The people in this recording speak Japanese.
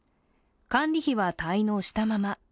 管理費は滞納したまま。